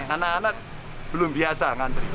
anak anak belum biasa ngantri